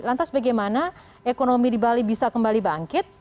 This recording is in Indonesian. lantas bagaimana ekonomi di bali bisa kembali bangkit